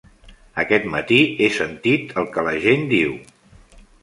Aquest matí he sentit el que la gent diu.